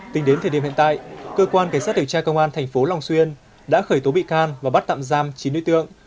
tính đến thời điểm hiện tại cơ quan cảnh sát điều tra công an thành phố lòng xuyên đã khởi tố bị can và bắt tạm giam chín nữ tượng